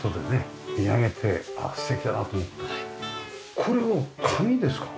これは紙ですか？